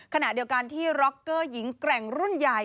ขณะเดียวกันที่ร็อกเกอร์หญิงแกร่งรุ่นใหญ่